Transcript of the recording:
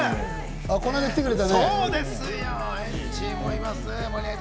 この間、来てくれたね。